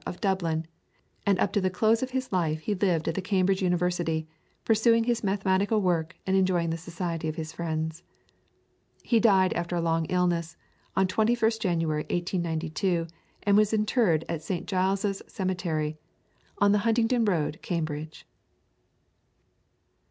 of Dublin and up to the close of his life he lived at the Cambridge Observatory, pursuing his mathematical work and enjoying the society of his friends. He died, after a long illness, on 21st January, 1892, and was interred in St. Giles's Cemetery, on the Huntingdon Road, Cambridge.